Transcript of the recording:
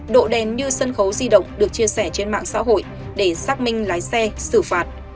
độ đen như sân khấu di động được chia sẻ trên mạng xã hội để xác minh lái xe xử phạt